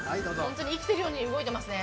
生きてるように動いてますね。